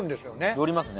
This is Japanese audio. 寄りますね。